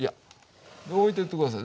置いてって下さい。